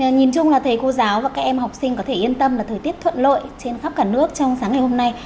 nhìn chung là thầy cô giáo và các em học sinh có thể yên tâm là thời tiết thuận lợi trên khắp cả nước trong sáng ngày hôm nay